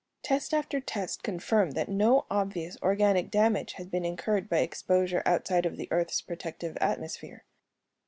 Test after test confirmed that no obvious organic damage had been incurred by exposure outside of the Earth's protective atmosphere.